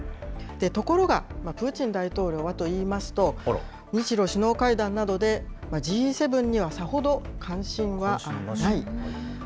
ところが、プーチン大統領はと言いますと、日ロ首脳会談などで、Ｇ７にはさほど関心がない。